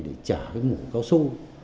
để chở cái mũ cao su